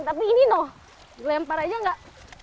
tapi ini noh lempar aja gak